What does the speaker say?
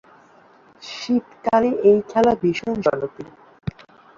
শীতকালে এই খেলা ভীষণ জনপ্রীয়।